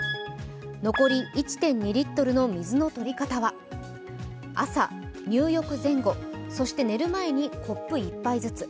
残り１．２リットルの水の取り方は朝、入浴前後、そして寝る前にコップ１杯ずつ。